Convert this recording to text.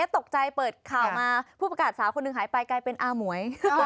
ตกใจเปิดข่าวมาผู้ประกาศสาวคนหนึ่งหายไปกลายเป็นอาหมวย